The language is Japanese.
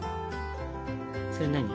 それ何？